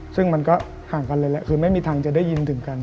ซึ่งมันก็ห่างกันเลยแหละคือไม่มีทางจะได้ยินถึงกัน